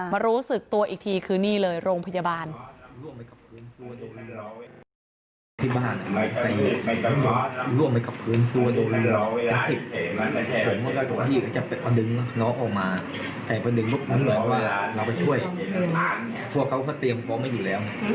รู้สึกตัวอีกทีคือนี่เลยโรงพยาบาล